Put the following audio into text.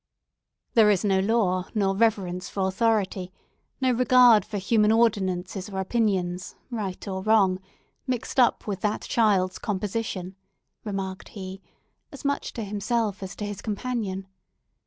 "There is no law, nor reverence for authority, no regard for human ordinances or opinions, right or wrong, mixed up with that child's composition," remarked he, as much to himself as to his companion.